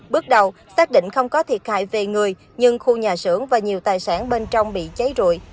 bước đầu xác định không có thiệt hại về người nhưng khu nhà xưởng và nhiều tài sản bên trong bị cháy rụi